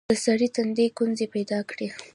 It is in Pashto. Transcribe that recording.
د سړي تندي ګونځې پيداکړې.